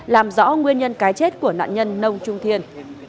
làm rõ nguyên nhân cái chết của nạn nhân nông trung thiên